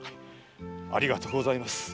ありがとうございます。